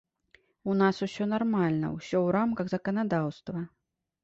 У нас усё нармальна, усё ў рамках заканадаўства.